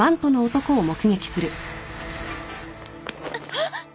あっ。